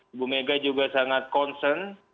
ibu mega juga sangat concern